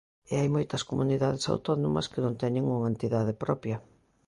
E hai moitas comunidades autónomas que non teñen unha entidade propia.